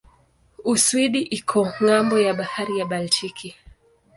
Uswidi iko ng'ambo ya bahari ya Baltiki.